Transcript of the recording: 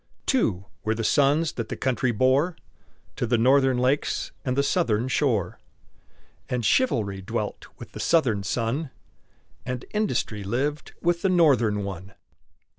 Two were the sons that the country bore To the Northern lakes and the Southern shore; And Chivalry dwelt with the Southern son, And Industry lived with the Northern one.